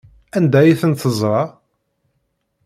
Anda ay tent-teẓra?